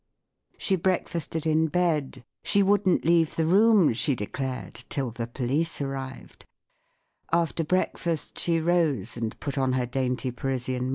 She break* fasted in bed; she wouldn't leave the room, she declared, till the police arrived* After breakfast she rose and put on her dainty Parisian morn* LADY MAC LURK WAS STAFTLKP.